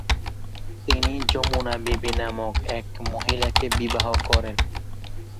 তিনি যমুনা বিবি নামক এক মহিলাকে বিবাহ করেন।